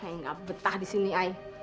i gak betah disini i